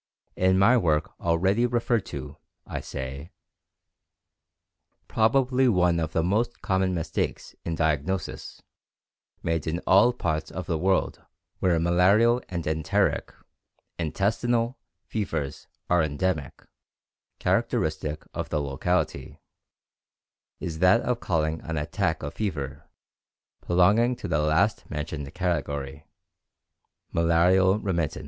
In my work already referred to, I say: "Probably one of the most common mistakes in diagnosis, made in all parts of the world where malarial and enteric [intestinal] fevers are endemic [characteristic of the locality], is that of calling an attack of fever, belonging to the last mentioned category, malarial remittent.